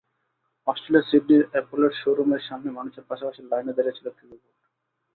অস্ট্রেলিয়ার সিডনির অ্যাপলের শোর রুমের সামনে মানুষের পাশাপাশি লাইনে দাঁড়িয়েছিল একটি রোবট।